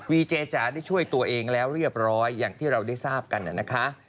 เจจ๋าได้ช่วยตัวเองแล้วเรียบร้อยอย่างที่เราได้ทราบกันนะคะ